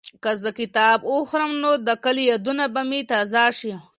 که زه کباب وخورم نو د کلي یادونه به مې تازه شي.